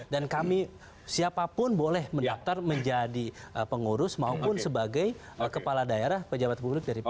dan kami siapapun boleh mendaftar menjadi pengurus maupun sebagai kepala daerah pejabat publik dari pks